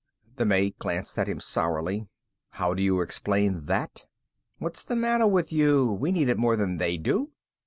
The mate glanced at him sourly. "How do you explain that?" "What's the matter with you? We need it more than they do."